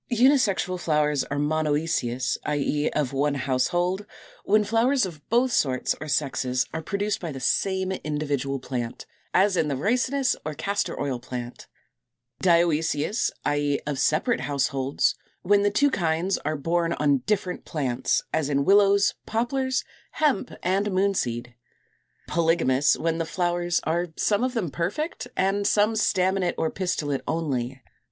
Unisexual flowers are Monœcious (or Monoicous, i. e. of one household), when flowers of both sorts or sexes are produced by the same individual plant, as in the Ricinus or Castor oil Plant, Fig. 230. Diœcious (or Dioicous, i. e. of separate households), when the two kinds are borne on different plants; as in Willows, Poplars, Hemp, and Moonseed, Fig. 231, 232. Polygamous, when the flowers are some of them perfect, and some staminate or pistillate only.